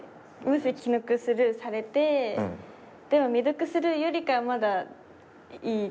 もし既読スルーされてでも未読スルーよりかはまだいい？